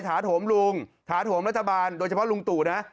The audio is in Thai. ถาโถมลุงถาโถมรัฐบาลโดยเฉพาะลุงตู่นะ